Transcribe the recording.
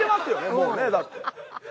もうねだって。